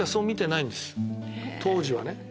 当時はね。